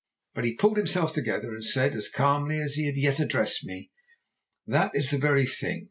But he pulled himself together and said, as calmly as he had yet addressed me: "'That is the very thing.